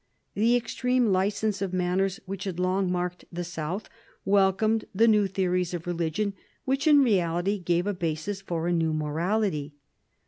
The extreme licence of manners which had long marked the South welcomed the new theories of religion, which in reality gave a basis for a new morality.